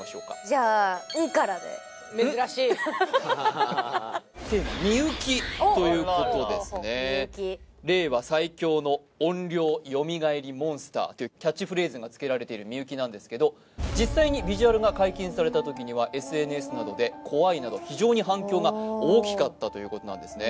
じゃあ「ん」からでテーマ美雪ということですねというキャッチフレーズがつけられてる美雪なんですけど実際にビジュアルが解禁されたときにはＳＮＳなどで「怖い」など非常に反響が大きかったということなんですね